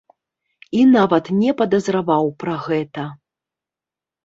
І нават не падазраваў пра гэта.